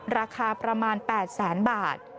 ราคาประมาณ๘๐๐๐๐๐บาท